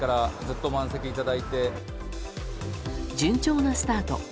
順調なスタート。